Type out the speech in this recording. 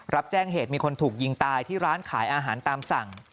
รับแจ้งเหตุมีคนถูกยิงตายที่ร้านขายอาหารตามสั่ง